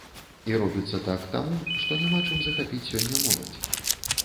І робіцца так таму, што няма чым захапіць сёння моладзь.